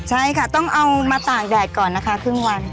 ใช่ค่ะต้องเอามาตากแดดก่อนนะคะครึ่งวัน